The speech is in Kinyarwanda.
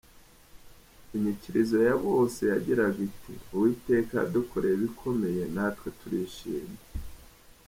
Inyikirizo ya bose yagiraga iti “Uwiteka yadukoreye ibikomeye na twe turishimye.